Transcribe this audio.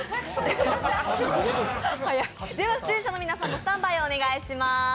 では出演者の皆さんもスタンバイお願いします。